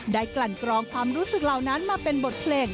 กลั่นกรองความรู้สึกเหล่านั้นมาเป็นบทเพลง